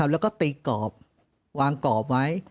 แล้วก็ตีกรอบวางกรอบไว้